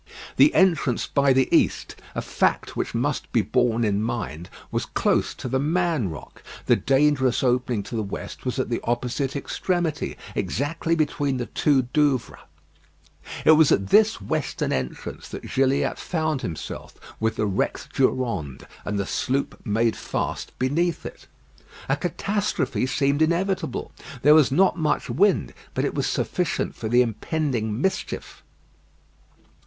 The entrance by the east, a fact which must be borne in mind, was close to "The Man Rock." The dangerous opening to the west was at the opposite extremity, exactly between the two Douvres. It was at this western entrance that Gilliatt found himself with the wrecked Durande, and the sloop made fast beneath it. A catastrophe seemed inevitable. There was not much wind, but it was sufficient for the impending mischief.